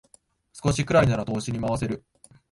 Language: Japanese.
少しくらいなら投資に回せる